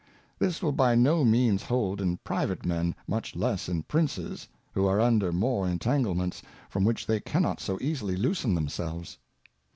This will by no means hold in private Men, much less in Princes, who are under more Entanglements, from which they cannot so easily loosen themselves.